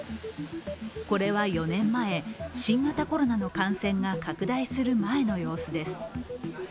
これは４年前、新型コロナの感染が拡大する前の様子です。